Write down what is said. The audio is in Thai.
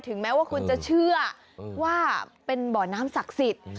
แม้ว่าคุณจะเชื่อว่าเป็นบ่อน้ำศักดิ์สิทธิ์